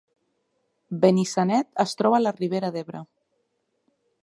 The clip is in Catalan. Benissanet es troba a la Ribera d’Ebre